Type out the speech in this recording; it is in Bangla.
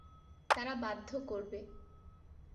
তারা বাধ্য করবে।